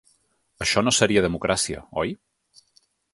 Això no seria democràcia, oi?.